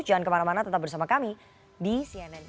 jangan kemana mana tetap bersama kami di cnn filming jangan lupa